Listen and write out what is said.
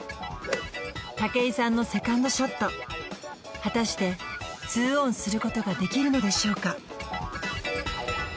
武井さんのセカンドショット果たしてツーオンすることができるのでしょうか